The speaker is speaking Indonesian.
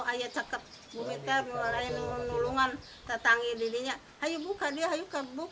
eha wanita lima puluh lima tahun ini mengaku terpaksa melepas pakaiannya yang terjepit jokbus